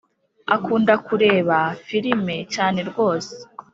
Akunda kureba firime cyane rwose